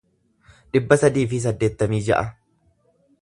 dhibba sadii fi saddeettamii ja'a